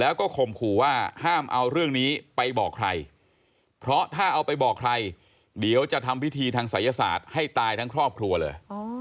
วันนี้ไปบอกใครเพราะถ้าเอาไปบอกใครเดี๋ยวจะทำพิธีทางศัยศาสตร์ให้ตายทั้งครอบครัวเลย